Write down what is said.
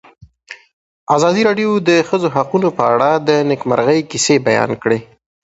ازادي راډیو د د ښځو حقونه په اړه د نېکمرغۍ کیسې بیان کړې.